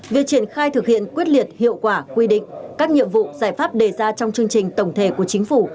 việc triển khai thực hiện quyết liệt hiệu quả quy định các nhiệm vụ giải pháp đề ra trong chương trình tổng thể của chính phủ